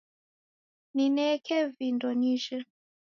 Nineke vindo nijhe